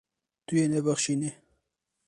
Tu yê nebexşînî.